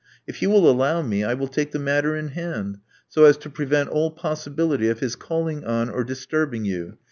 If you will allow me, I will take the matter in hand, so as to prevent all possibility of bis calling on or disturbing you.